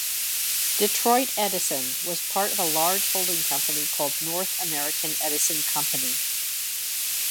Detroit Edison was part of a large holding company called North American Edison Company.